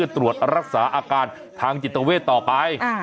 ตรวจรักษาอาการทางจิตเวทต่อไป